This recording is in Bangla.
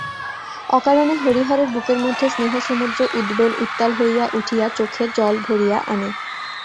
অকারণে হরিহরের বুকের মধ্যে স্নেহসমুদ্র উদ্বেল উত্তাল হইয়া উঠিয়া চোখে জল ভরিয়া আনে।